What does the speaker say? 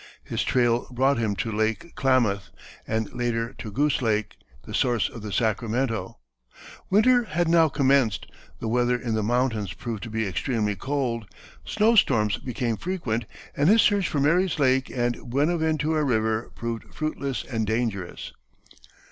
His trail brought him to Lake Klamath, and later to Goose Lake, the source of the Sacramento. Winter had now commenced; the weather in the mountains proved to be extremely cold, snow storms became frequent, and his search for Mary's Lake and Buenaventura River proved fruitless and dangerous.